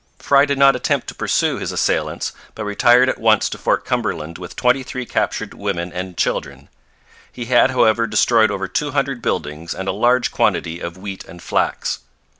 Frye did not attempt to pursue his assailants, but retired at once to Fort Cumberland with twenty three captured women and children. He had, however, destroyed over two hundred buildings and a large quantity of wheat and flax.